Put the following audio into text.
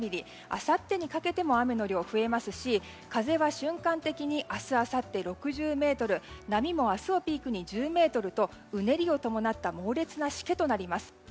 あさってにかけても雨の量、増えますし風は瞬間的に明日、あさって６０メートル波も明日をピークに１０ｍとうねりを伴った猛烈なしけとなります。